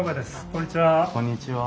こんにちは。